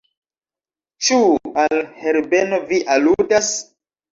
Ĉu al Herbeno vi aludas?